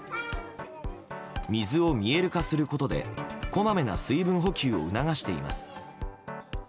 水を見える化することでこまめな水分補給を促しています。